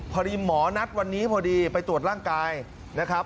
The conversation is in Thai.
พอดีหมอนัดวันนี้พอดีไปตรวจร่างกายนะครับ